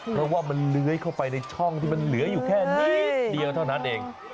เพราะว่ามันเลื้อยเข้าไปในช่องที่มันเหลืออยู่แค่นิดเดียวเท่านั้นเอง